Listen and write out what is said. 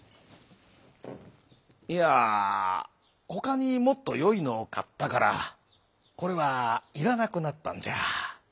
「いやほかにもっとよいのをかったからこれはいらなくなったんじゃ」。